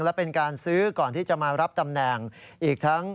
และเป็นการซื้อก่อนที่จะมารับตำแหน่งอีกทั้ง